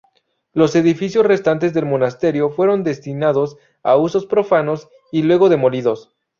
Los edificios restantes del monasterio fueron destinados a usos profanos y luego demolidos.